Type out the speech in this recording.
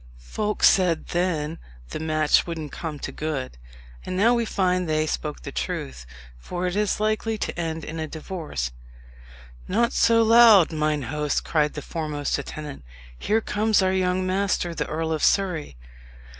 Folks said then the match wouldn't come to good; and now we find they spoke the truth, for it is likely to end in a divorce." "Not so loud, mine host!" cried the foremost attendant; "here comes our young master, the Earl of Surrey."